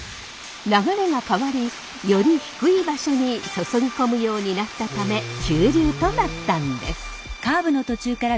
流れが変わりより低い場所に注ぎ込むようになったため急流となったんです。